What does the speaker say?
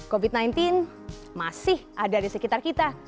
covid sembilan belas masih ada di sekitar kita